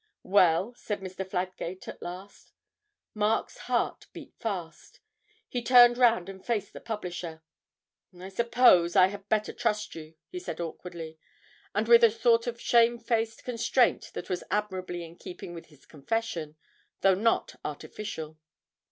'Well?' said Mr. Fladgate at last. Mark's heart beat fast. He turned round and faced the publisher. 'I suppose I had better trust you,' he said awkwardly, and with a sort of shamefaced constraint that was admirably in keeping with his confession, though not artificial.